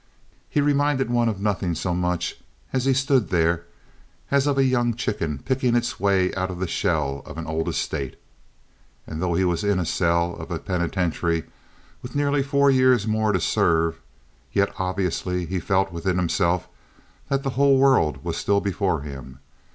He reminded one of nothing so much, as he stood there, as of a young chicken picking its way out of the shell of an old estate. Although he was in a cell of a penitentiary, with nearly four years more to serve, yet obviously he felt, within himself, that the whole world was still before him.